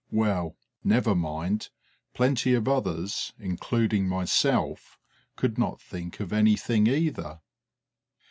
Well, never mind: plenty of others, including myself, could not think of anything either.